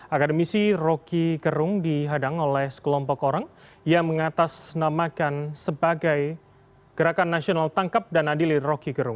akademisi rokigerung dihadang oleh sekelompok orang yang mengatasnamakan sebagai gerakan nasional tangkap dan adili rokigerung